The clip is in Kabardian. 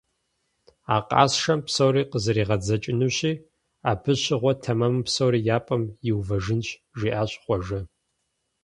А къасшэм псори къызэригъэдзэкӀынущи, абы щыгъуэ тэмэму псори я пӀэм иувэжынщ, - жиӀащ Хъуэжэ.